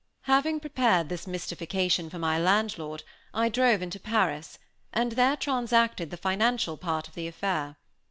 Having prepared this mystification for my landlord, I drove into Paris, and there transacted the financial part of the affair.